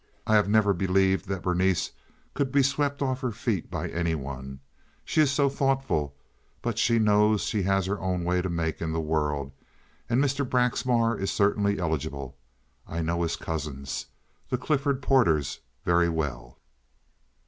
I have never believed that Berenice could be swept off her feet by any one—she is so thoughtful—but she knows she has her own way to make in the world, and Mr. Braxmar is certainly eligible. I know his cousins, the Clifford Porters, very well."